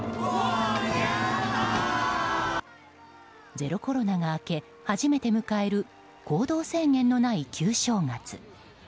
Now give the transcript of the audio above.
ゼロコロナが明け初めて迎える行動制限のない旧正月。